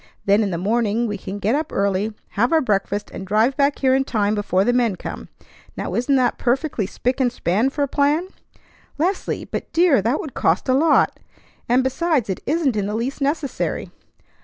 Then in the morning we can get up early, have our breakfast, and drive back here in time before the men come. Now isn't that perfectly spick and span for a plan?" "Leslie! But, dear, that would cost a lot! And, besides, it isn't in the least necessary."